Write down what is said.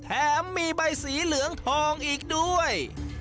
แถมมีใบสีเหลืองทองอีกด้วย